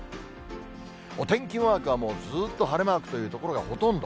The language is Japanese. お天気マークはもうずっと晴れマークという所がほとんど。